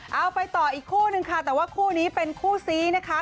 เอาไปต่ออีกคู่นึงค่ะแต่ว่าคู่นี้เป็นคู่ซีนะคะ